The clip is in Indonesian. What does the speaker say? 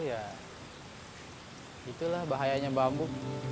ya itulah bahayanya bambu